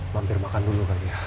mampir makan dulu kan ya